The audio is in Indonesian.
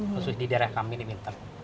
khusus di daerah kami ini pintar